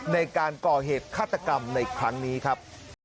ในการก่อเหตุฆาตกรรมในครั้งนี้ครับ